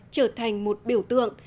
trở thành một biểu tượng